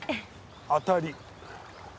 当たり。